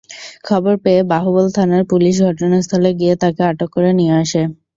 খবর পেয়ে বাহুবল থানার পুলিশ ঘটনাস্থলে গিয়ে তাঁকে আটক করে নিয়ে আসে।